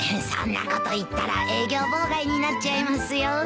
そんなこと言ったら営業妨害になっちゃいますよ。